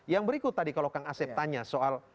yang berikut tadi kalau kang asep tanya soal